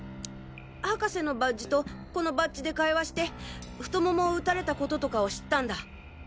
博士のバッジとこのバッジで会話して太ももを撃たれた事とかを知ったんだ。